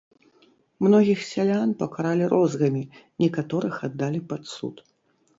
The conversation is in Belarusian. Многіх сялян пакаралі розгамі, некаторых аддалі пад суд.